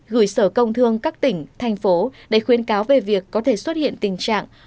gửi sở công thương các tỉnh thành phố để khuyến cáo về việc có thể xuất hiện tình trạng